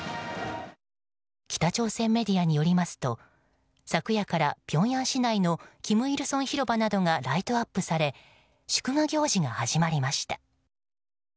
北朝鮮メディアによりますと昨夜からピョンヤン市内の金日成広場などがライトアップされ祝賀行事が始まりました。